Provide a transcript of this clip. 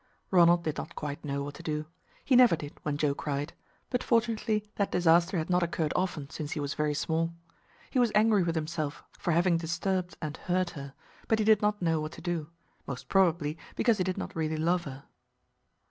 Ronald did not quite know what to do; he never did when Joe cried, but fortunately that disaster had not occurred often since he was very small. He was angry with himself for having disturbed and hurt her, but he did not know what to do, most probably because he did not really love her.